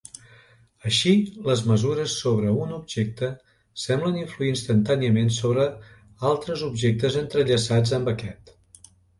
Així, les mesures sobre un objecte semblen influir instantàniament sobre altres objectes entrellaçats amb aquest.